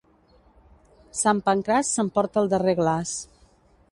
Sant Pancraç s'emporta el darrer glaç.